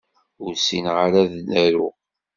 Ur ssineɣ ara ad aruɣ.